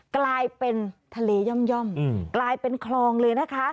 กลายเป็นทะเลย่อมกลายเป็นคลองเลยนะคะ